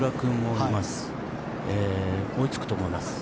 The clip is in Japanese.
追いつくと思います。